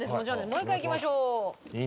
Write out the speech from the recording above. もう一回いきましょう。